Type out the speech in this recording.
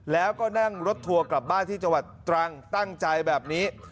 แล้วก็นั่งรถทัวร์กลับบ้านที่จังหวัดตรังตั้งใจแบบนี้